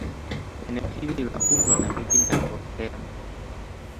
eneo hili linaundwa na milima ya volcano